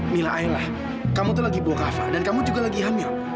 mila ayla kamu tuh lagi buang kafa dan kamu juga lagi hamil